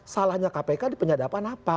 salahnya kpk di penyadapan apa